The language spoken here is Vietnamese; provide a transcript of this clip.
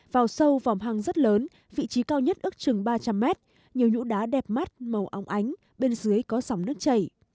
vào sâu vòng hang rất lớn vị trí cao nhất ức chừng ba trăm linh m nhiều nhũ đá đẹp mắt màu ống ánh bên dưới có dòng nước chảy